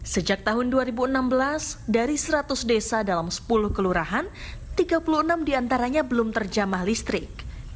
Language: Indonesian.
sejak tahun dua ribu enam belas dari seratus desa dalam sepuluh kelurahan tiga puluh enam diantaranya belum terjamah listrik